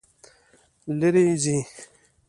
لیرې ځئ